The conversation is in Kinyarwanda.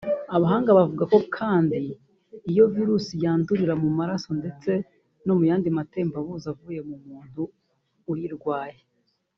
Abahanga bavuga kandi ko iyi virus yandurira mu maraso ndetse no mu yandi matembabuzi avuye mu muntu uyirwaye